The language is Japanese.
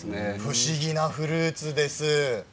不思議なフルーツです。